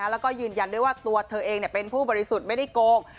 แล้วก็ยืนยันด้วยว่าตัวเธอเองเป็นผู้บริสุทธิ์ไม่ได้โกง